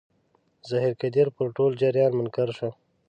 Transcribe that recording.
ظاهر قدیر پر ټول جریان منکر شو.